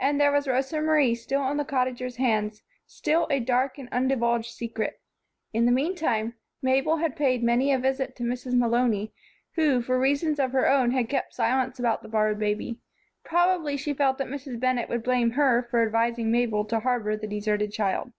And there was Rosa Marie still on the Cottagers' hands, still a dark and undivulged secret. In the meantime, Mabel had paid many a visit to Mrs. Malony, who for reasons of her own had kept silence about the borrowed baby. Probably she felt that Mrs. Bennett would blame her for advising Mabel to harbor the deserted child.